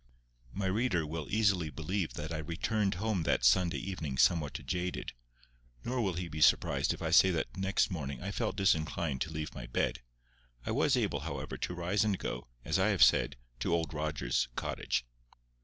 My reader will easily believe that I returned home that Sunday evening somewhat jaded, nor will he be surprised if I say that next morning I felt disinclined to leave my bed. I was able, however, to rise and go, as I have said, to Old Rogers's cottage.